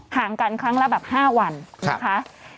ห่างกันครั้งละแบบ๕วันนะคะ